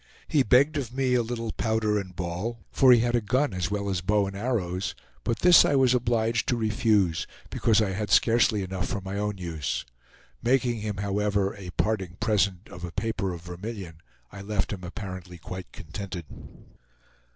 He begged of me a little powder and ball, for he had a gun as well as bow and arrows; but this I was obliged to refuse, because I had scarcely enough for my own use. Making him, however, a parting present of a paper of vermilion, I left him apparently quite contented.